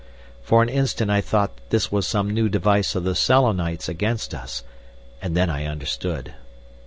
For an instant I thought this was some new device of the Selenites against us, and then I understood.